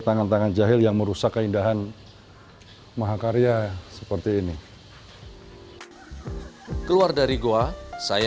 tangan tangan jahil yang merusak keindahan mahakarya seperti ini keluar dari goa saya